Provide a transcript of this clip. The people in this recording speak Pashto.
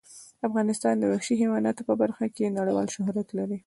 افغانستان د وحشي حیواناتو په برخه کې نړیوال شهرت لري.